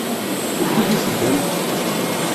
Wukud i teddam?